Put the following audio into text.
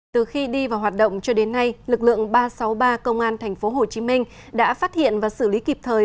từ khi đi vào hoạt động cho đến nay lực lượng ba trăm sáu mươi ba công an tp hcm đã phát hiện và xử lý kịp thời